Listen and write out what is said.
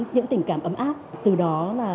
những tình cảm ấm áp từ đó